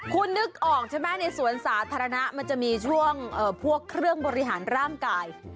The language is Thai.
คุณนึกออกใช่ไหมในสวนสาธารณะมันจะมีช่วงพวกเครื่องบริหารร่างกาย